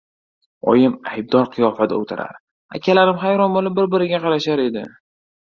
Oyim aybdor qiyofada o‘tirar, akalarim hayron bo‘lib bir-biriga qarashar edi.